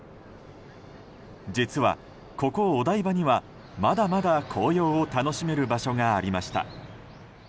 実はここ、お台場にはまだまだ紅葉を楽しめる場所がありました。